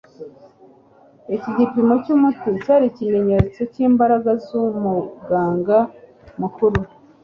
Iki gipimo cy'umuti cyari ikimenyetso cy'imbaraga z'Umuganga mukuru